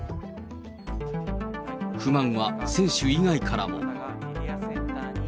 不満は選手以外からも。